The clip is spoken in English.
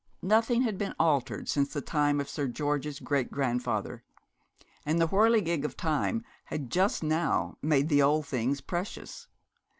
Nothing had been altered since the time of Sir George's great grandfather; and the whirligig of time had just now made the old things precious.